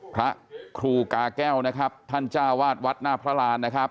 พระครูกาแก้วนะครับท่านจ้าวาดวัดหน้าพระราณนะครับ